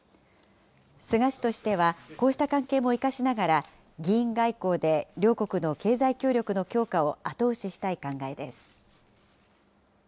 菅氏としては、こうした関係も生かしながら、議員外交で両国の経済協力の強化を後押ししたい考えです。